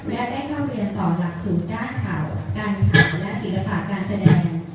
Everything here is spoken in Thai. และได้เข้าเรียนต่อหลักสูตรด้านข่าวการข่าวและศิลปะการแสดง